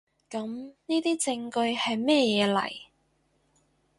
噉呢啲證據喺乜嘢嚟？